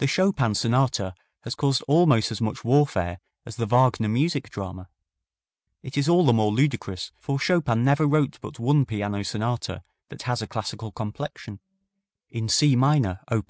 The Chopin sonata has caused almost as much warfare as the Wagner music drama. It is all the more ludicrous, for Chopin never wrote but one piano sonata that has a classical complexion: in C minor, op.